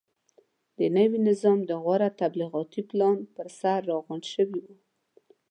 د نوي نظام د غوره تبلیغاتي پلان پرسر راغونډ شوي وو.